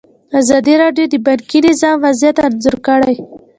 ازادي راډیو د بانکي نظام وضعیت انځور کړی.